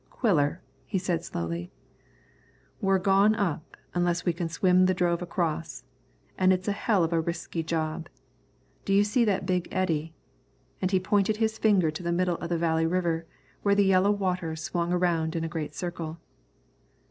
"Quiller," he said slowly, "we're gone up unless we can swim the drove across, an' it's a hell of a risky job. Do you see that big eddy?" and he pointed his finger to the middle of the Valley River where the yellow water swung around in a great circle.